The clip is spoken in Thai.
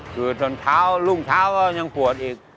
คือจนเช้ารุ่งเช้าก็ยังปวดอีก